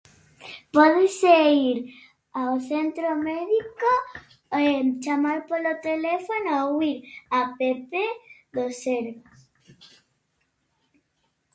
Pódese ir ao centro médico, chamar polo teléfono ou ir a apepé do sergas.